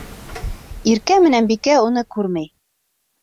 Иркә менән Бикә уны күрмәй.